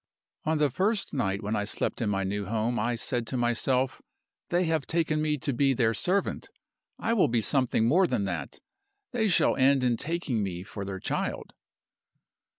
"On the first night when I slept in my new home I said to myself, 'They have taken me to be their servant: I will be something more than that they shall end in taking me for their child.